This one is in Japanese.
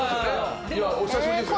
お久しぶりですよね。